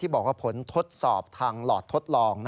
บอกว่าผลทดสอบทางหลอดทดลอง